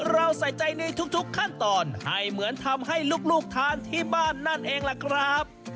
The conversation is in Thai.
เราใส่ใจในทุกขั้นตอนให้เหมือนทำให้ลูกทานที่บ้านนั่นเองล่ะครับ